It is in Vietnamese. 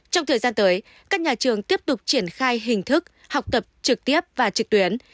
trong thời gian tới các nhà trường tiếp tục triển khai hình thức học tập trực tiếp và trực tuyến